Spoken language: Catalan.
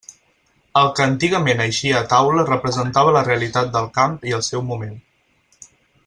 El que antigament eixia a taula representava la realitat del camp i el seu moment.